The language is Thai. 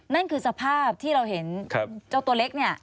นั่นคือสภาพที่เราเห็นเจ้าตัวเล็กเนี่ย